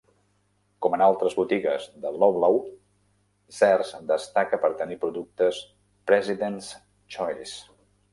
Com en altres botigues de Loblaw, Zehrs destaca per tenir productes President's Choice.